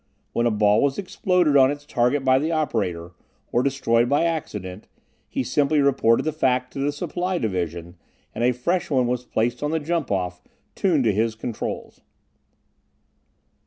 When a ball was exploded on its target by the operator, or destroyed by accident, he simply reported the fact to the supply division, and a fresh one was placed on the jump off, tuned to his controls.